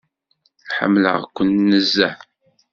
Ḥemmleɣ-ken nezzeh.